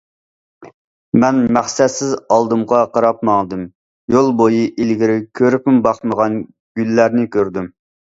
مەن مەقسەتسىز ئالدىمغا قاراپ ماڭدىم، يول بويى ئىلگىرى كۆرۈپمۇ باقمىغان گۈللەرنى كۆردۈم.